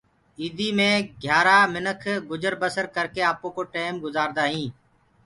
ايِدي مي گھيآرآ منک گجر بسر ڪرڪي آپوڪو ٽيم گُجآردآ هينٚ